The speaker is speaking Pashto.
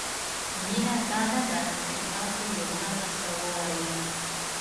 مینه دا نه ده چې تاسو یو چاته څه ووایئ.